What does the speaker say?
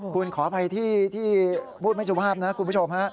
คุณขออภัยที่พูดไม่สุภาพนะคุณผู้ชมฮะ